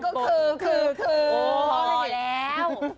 พอแล้ว